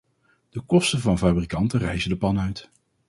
De kosten van fabrikanten rijzen de pan uit.